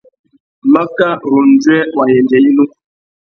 Makâ râ undjuê wa yêndzê yinú.